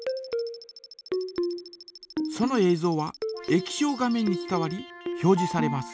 ぞうは液晶画面に伝わり表じされます。